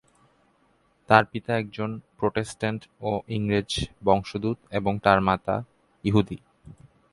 তার পিতা একজন প্রটেস্ট্যান্ট ও ইংরেজ বংশোদ্ভূত এবং তার মাতা ইহুদি।